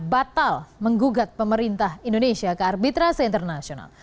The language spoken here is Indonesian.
batal menggugat pemerintah indonesia ke arbitrasi internasional